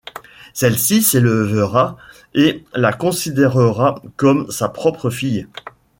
Celui-ci l'élèvera et la considérera comme sa propre fille.